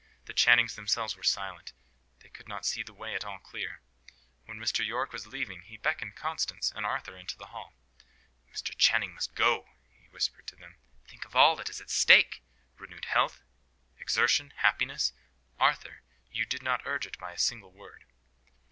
The Channings themselves were silent; they could not see the way at all clear. When Mr. Yorke was leaving, he beckoned Constance and Arthur into the hall. "Mr. Channing must go," he whispered to them. "Think of all that is at stake! Renewed health, exertion, happiness! Arthur, you did not urge it by a single word."